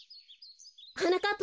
はなかっ